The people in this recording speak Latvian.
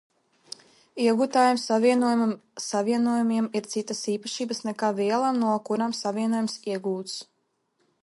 Iegūtajiem savienojumiem ir citas īpašības nekā vielām, no kurām savienojums iegūts.